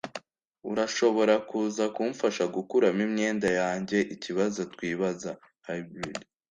Urashobora kuza kumfasha gukuramo imyenda yanjyeikibazo twibaza (Hybrid)